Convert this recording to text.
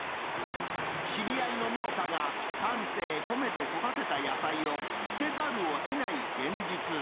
知り合いの農家が、丹精込めて育てた野菜を、捨てざるをえない現実。